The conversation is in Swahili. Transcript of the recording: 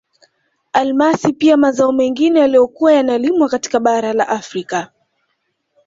Almasi pia mazao mengine yaliyokuwa yanalimwa katika bara la Afrika